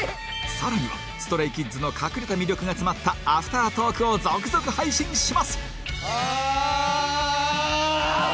更には ＳｔｒａｙＫｉｄｓ の隠れた魅力が詰まったアフタートークを続々配信します！